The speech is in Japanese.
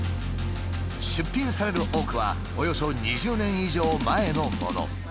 出品される多くはおよそ２０年以上前のもの。